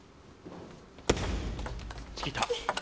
チキータ。